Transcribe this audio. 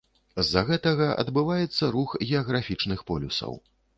З-за гэтага адбываецца рух геаграфічных полюсаў.